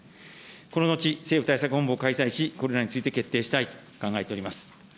この後、政府対策本部を開催し、これらについて決定したいと考えております。